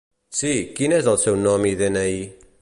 Sí, quin és el seu nom i de-ena-i?